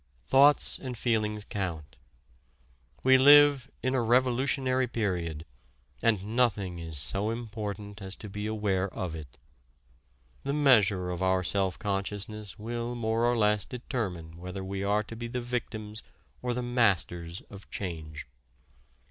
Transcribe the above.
Thoughts and feelings count. We live in a revolutionary period and nothing is so important as to be aware of it. The measure of our self consciousness will more or less determine whether we are to be the victims or the masters of change.